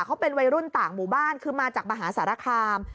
เขาเป็นวัยรุ่นต่างหมู่บ้านคือมาจากมหาสารคาม